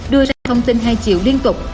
đưa ra thông tin hai triệu liên tục